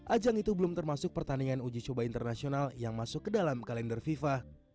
ajang itu belum termasuk pertandingan uji coba internasional yang masuk ke dalam kalender fifa